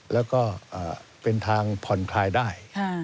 แล้วก็เป็นทางผ่อนคลายได้